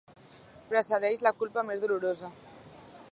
Precedeix la culpa més dolorosa.